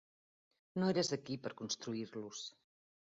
No eres aquí per construir-los.